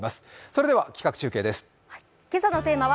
それでは企画中継です。